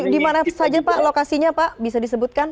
di mana saja pak lokasinya pak bisa disebutkan